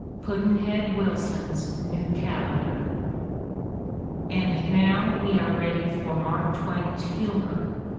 Pudd'nhead Wilson's New Calendar. AND now we are ready for Mark Twain's humor.